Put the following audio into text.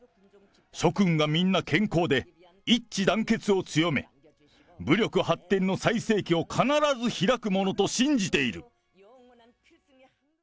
諸君がみんな健康で、一致団結を強め、武力発展の最盛期を必ず開くものと信じている。